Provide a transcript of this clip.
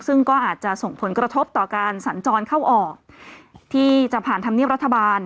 ซึ่งก็อาจจะส่งผลกระทบต่อการสัญจรเข้าออกที่จะผ่านธรรมเนียบรัฐบาล